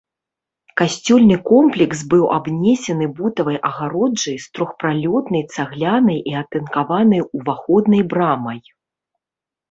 Касцёльны комплекс быў абнесены бутавай агароджай з трохпралётнай цаглянай і атынкаванай уваходнай брамай.